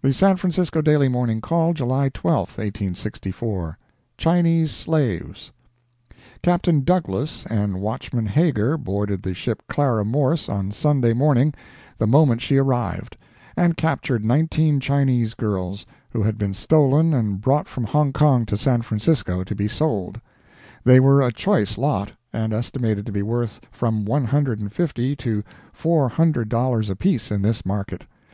The San Francisco Daily Morning Call, July 12, 1864 CHINESE SLAVES Captain Douglass and Watchman Hager boarded the ship Clara Morse, on Sunday morning, the moment she arrived, and captured nineteen Chinese girls, who had been stolen and brought from Hongkong to San Francisco to be sold. They were a choice lot, and estimated to be worth from one hundred and fifty to four hundred dollars apiece in this market.